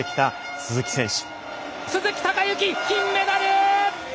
鈴木孝幸、金メダル！